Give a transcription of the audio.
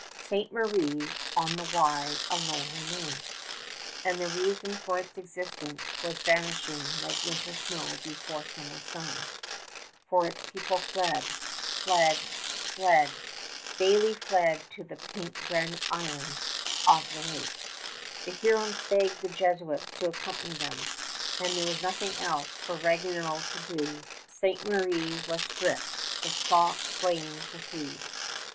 Ste. Marie on the Wye alone remained, and the reason for its existence was vanishing like winter snow before summer sun, for its people fled ... fled ... fled ... daily fled to the pink granite islands of the lake. The Hurons begged the Jesuits to accompany them, and there was nothing else for Ragueneau to do. Ste. Marie was stripped, the stock slain for food.